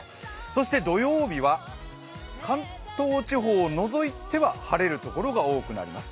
そして土曜日は、関東地方を除いては晴れるところが多くなります。